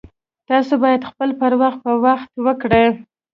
تاسو باید خپل پر وخت په وخت وکړئ